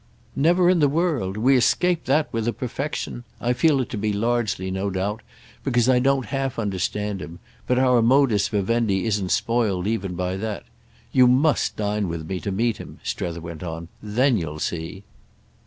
"Never in the world! We escape that with a perfection—! I feel it to be largely, no doubt, because I don't half understand him; but our modus vivendi isn't spoiled even by that. You must dine with me to meet him," Strether went on. "Then you'll see.